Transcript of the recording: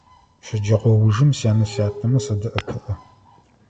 Щэджэгъоужым сянэ-сятэмэ садэӀэпыӀэ.